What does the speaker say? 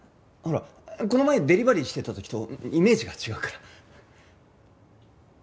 ほらこの前デリバリーしてた時とイメージが違うから。